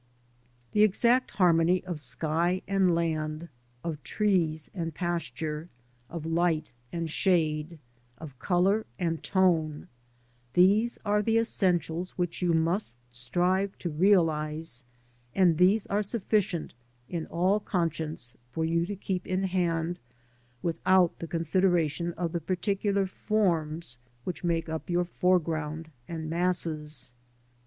The exact harmony of sky and land, of trees and pasture, of light and shade, of colour and tone, these are the essentials which you must strive to realise, and these are sufficient, in all conscience, for you to keep in hand without tlie consideration of the particular forms which make up your foreground and masses.